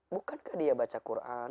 bukankah dia baca quran